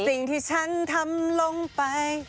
สิ่งที่ฉันทำลงไป